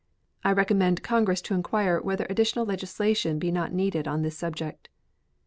I recommend Congress to inquire whether additional legislation be not needed on this subject.